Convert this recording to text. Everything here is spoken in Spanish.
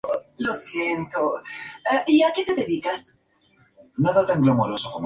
Desde la primera temporada, ha habido cambios en ambas ediciones.